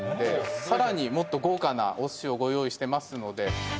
さらにもっと豪華なお寿司をご用意してますので。